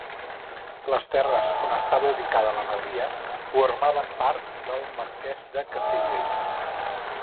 Les terres on està ubicada la masia formaven part del Marquès de Castellbell.